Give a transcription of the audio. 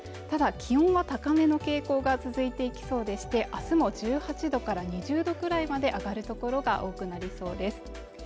ただ気温は高めの傾向が続いていきそうでして明日も１８度から２０度くらいまで上がる所が多くなりそうです